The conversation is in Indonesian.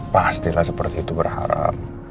pastilah seperti itu berharap